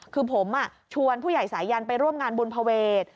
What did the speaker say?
คือผมชวนผู้ใหญ่สายันไปร่วมงานบุญภเวท